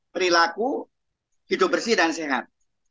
perilaku hidup bersih dan sehat